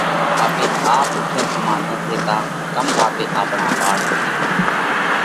ڪم آپي آپ اُوٺينَ ۿما نه ٿيتا؟ ڪم آپي آپڻا ٻاۯ نٿِي ڀڻاوَتا؟